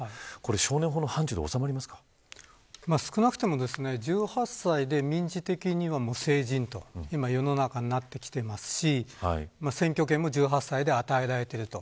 少年法の範ちゅうで収まりますか少なくとも１８歳で民事的には成年という世の中になってきていますし選挙権も１８歳で与えられている。